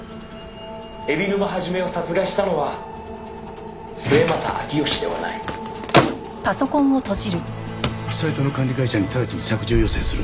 「海老沼肇を殺害したのは末政彰義ではない」サイトの管理会社にただちに削除要請するんだ。